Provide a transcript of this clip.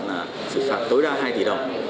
là xử phạt tối đa hai tỷ đồng